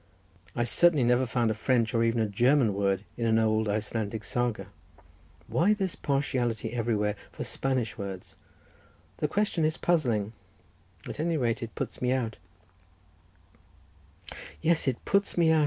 I certainly never found a French or even a German word in an old Icelandic saga. Why this partiality everywhere for Spanish words? the question is puzzling; at any rate it puts me out—" "Yes, it puts me out!"